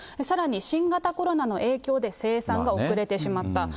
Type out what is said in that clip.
さらに新型コロナの影響で生産が遅れてしまった。